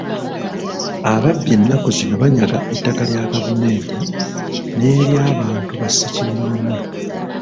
Ababbi ennaku zino banyaga ettaka lya gavumenti n'ery'abantu ba ssekinnoomu.